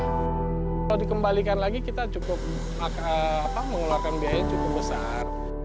kalau dikembalikan lagi kita cukup mengeluarkan biaya cukup besar